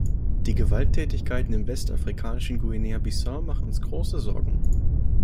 Die Gewalttätigkeiten im westafrikanischen Guinea-Bissau machen uns große Sorgen.